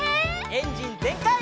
エンジンぜんかい！